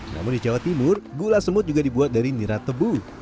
namun di jawa timur gula semut juga dibuat dari nira tebu